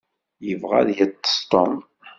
Yebɣa ad yeṭṭeṣ Tom.